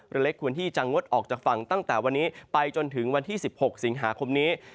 เรือเล็กควรที่จังวดออกจากฝั่งจากวันที่ถึงวันที่๑๐ศูนย์ศีลหาคมนี้